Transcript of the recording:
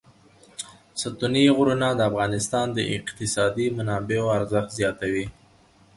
ستوني غرونه د افغانستان د اقتصادي منابعو ارزښت زیاتوي.